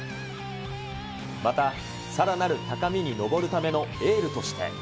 また、さらなる高みに上るためのエールとして。